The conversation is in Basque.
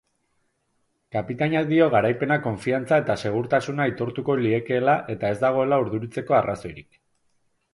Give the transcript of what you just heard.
Kapitainak dio garaipenak konfiantza eta segurtasuna aitortuko liekeela eta ez dagoela urduritzeko arrazoirik.